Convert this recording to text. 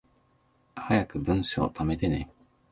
早く文章溜めてね